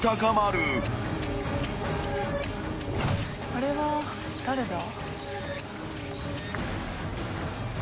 あれは誰だ？